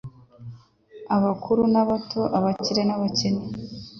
abakuru n'abato, abakire n'abakene.